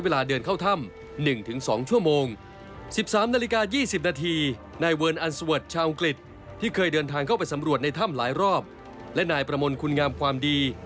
และนายประมวลคุณงามความดี